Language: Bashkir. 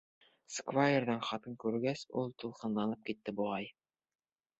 Сквайрҙың хатын күргәс, ул тулҡынланып китте, буғай.